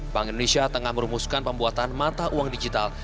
bank indonesia tengah merumuskan pembuatan mata uang digital